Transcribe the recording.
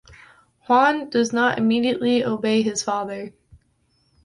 Juan does not immediately obey his father.